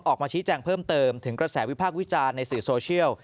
ออกมาชี้แจงเพิ่มเติมถึงกระแสวิพากษ์วิจารณ์ในสื่อโซเชียล